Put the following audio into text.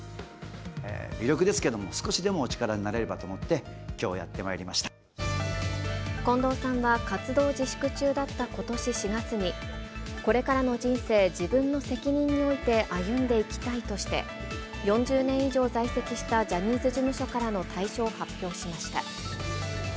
微力ですけれども、少しでもお力になれればと思って、近藤さんは、活動自粛中だったことし４月に、これからの人生、自分の責任において歩んでいきたいとして、４０年以上在籍したジャニーズ事務所からの退所を発表しました。